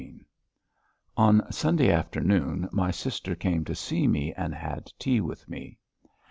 XVII On Sunday afternoon my sister came to see me and had tea with me.